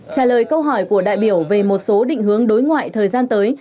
trả lời câu hỏi của đại biểu về một số định hướng đối ngoại thời gian tới